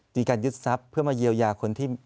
มีการยึดทรัพย์เพื่อมาเยียวยาคนที่